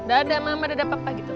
dada mama dada papa gitu